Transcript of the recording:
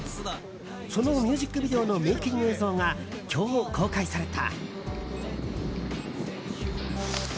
そのミュージックビデオのメイキング映像が今日公開された。